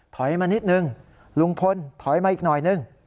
มานิดนึงลุงพลถอยมาอีกหน่อยนึง